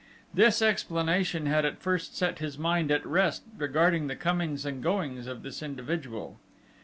This explanation had at first set his mind at rest regarding the comings and goings of this individual.